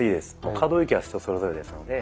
可動域は人それぞれですので。